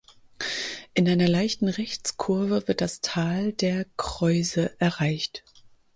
In einer leichten Rechtskurve wird das Tal der Creuse erreicht.